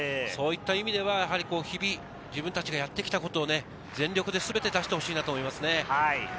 そういった意味では、日々、自分たちがやってきたことを全力で全て出してほしいなと思います。